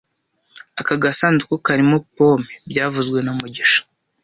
Aka gasanduku karimo pome byavuzwe na mugisha